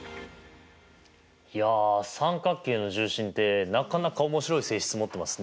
いや三角形の重心ってなかなか面白い性質持ってますね。